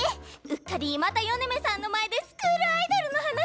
うっかりまた米女さんの前でスクールアイドルの話を。